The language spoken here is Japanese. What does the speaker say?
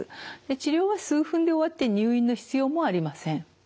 治療は数分で終わって入院の必要もありません。